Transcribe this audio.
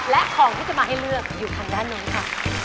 และของที่จะมาให้เลือกอยู่ทางด้านนั้นค่ะ